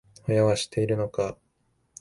親は知ってるのか？